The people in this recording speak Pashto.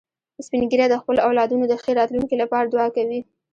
سپین ږیری د خپلو اولادونو د ښې راتلونکې لپاره دعا کوي